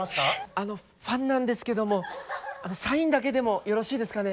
あのファンなんですけどもサインだけでもよろしいですかね？